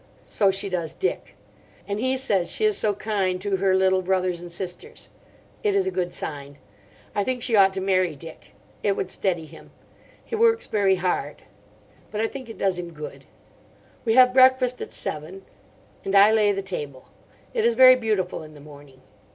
So she does Dick. And he says she is so kind to her little brothers and sisters. It is a good sign. I think she ought to marry Dick. It would steady him. He works very hard. But I think it does him good. We have breakfast at seven. And I lay the table. It is very beautiful in the morning.